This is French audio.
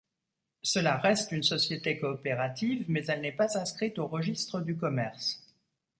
Cela reste une société coopérative mais elle n'est pas inscrite au registre du commerce.